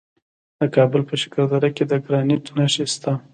د کابل په شکردره کې د ګرانیټ نښې شته.